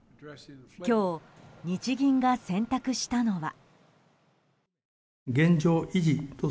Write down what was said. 今日、日銀が選択したのは。